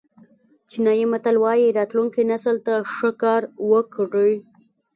چینایي متل وایي راتلونکي نسل ته ښه کار وکړئ.